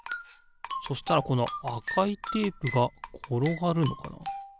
そしたらこのあかいテープがころがるのかな？